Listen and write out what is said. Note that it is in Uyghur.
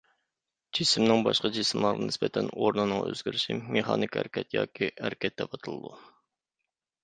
جىسىمنىڭ باشقا جىسىملارغا نىسبەتەن ئورنىنىڭ ئۆزگىرىشى مېخانىك ھەرىكەت ياكى ھەرىكەت دەپ ئاتىلىدۇ.